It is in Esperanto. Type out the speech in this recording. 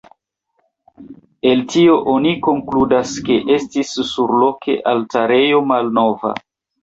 El tio oni konkludas ke estis surloke altarejo malnova.